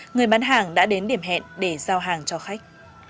người bán hàng đã đến điểm hẹn để giao hàng cho khách